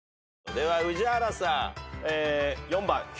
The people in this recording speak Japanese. では宇治原さん。